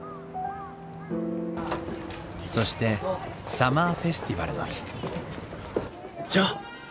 そしてサマーフェスティバルの日ジョー！